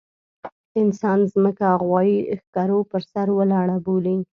انسان ځمکه غوايي ښکرو پر سر ولاړه بولي.